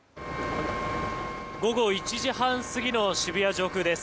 午後１時半過ぎの渋谷上空です。